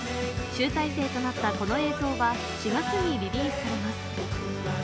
集大成となった、この映像は４月にリリースされます。